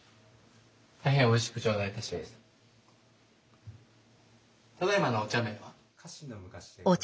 大変おいしく頂戴いたしました。